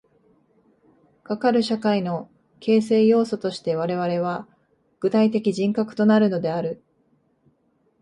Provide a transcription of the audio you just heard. かかる社会の形成要素として我々は具体的人格となるのである。